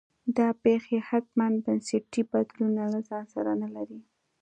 دا پېښې حتمي بنسټي بدلونونه له ځان سره نه لري.